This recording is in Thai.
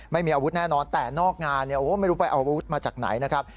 ไม่มีอาวุธแน่นอนแต่นอกงานไม่รู้ไปเอาอาวุธมาจากไหนนะครับ